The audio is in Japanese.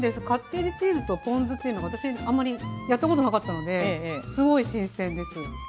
カッテージチーズとポン酢っていうのが私あんまりやったことなかったのですごい新鮮です。